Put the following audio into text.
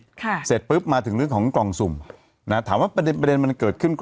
ค่ะเสร็จปุ๊บมาถึงเรื่องของกล่องสุ่มนะฮะถามว่าประเด็นประเด็นมันเกิดขึ้นก็